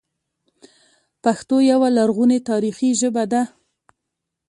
پښتو یوه لرغونې تاریخي ژبه ده